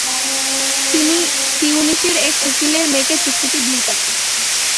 তিনি তিউনিসের এক উকিলের মেয়েকে চুক্তিতে বিয়ে করেন।